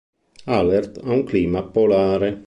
Alert ha un clima polare.